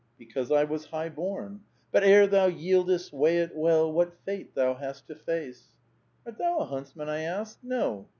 Because I was high bom. But ere thou yieldeet, weigh it well. What fate thou hast to face 1 ''^Art thou a huntsman?' I ask. ^No.'